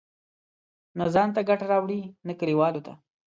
نه ځان ته ګټه راوړي، نه کلیوالو ته.